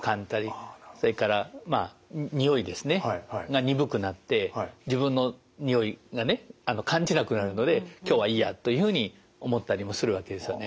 それからまあにおいですねが鈍くなって自分のにおいがね感じなくなるので今日はいいやというふうに思ったりもするわけですよね。